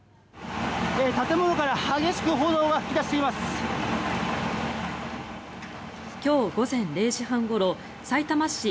建物から激しく炎が噴き出しています。